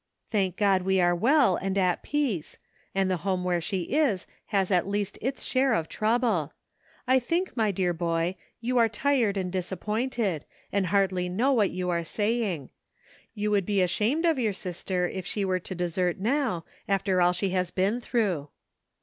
Thank God we are well and at peace; and the home where she is has at least its share of trouble. I think, my dear boy, you are tired and disa|)pointed, and hardly know what you are saying. You would be ashamed of your sister if she were to desert now, after all she has been through."